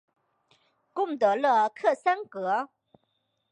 贡德勒克桑格。